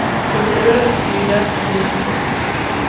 Se celebra la festividad de Ntra.